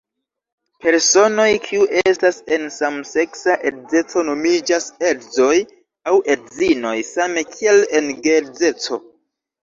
Personoj kiu estas en samseksa edzeco nomiĝas edzoj aŭ edzinoj, same kiel en geedzeco.